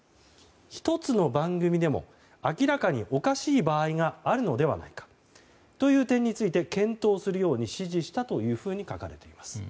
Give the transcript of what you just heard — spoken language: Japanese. １つの番組でも明らかにおかしい場合があるのではないかという点について検討するように指示したというふうに書かれています。